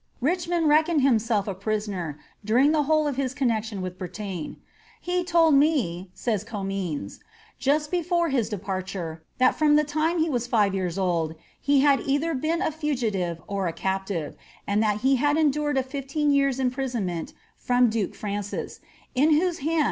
Richmond reckoned himself a prisoner during the whole of his con nexion with Bretagne. ^He told me,'' says Comines, ^just before his departure, that from the time he was ^yb years old, he had been either a fugitive or a captive, and that he had endured a fifteen years' imprisoo ' Camden's Remains.